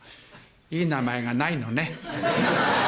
いい名前がないのね。